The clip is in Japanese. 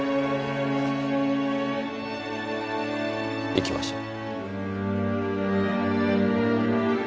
行きましょう。